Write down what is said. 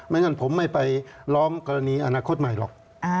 งั้นผมไม่ไปล้อมกรณีอนาคตใหม่หรอก